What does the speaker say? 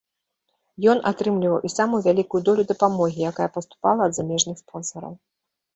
Ён атрымліваў і самую вялікую долю дапамогі, якая паступала ад замежных спонсараў.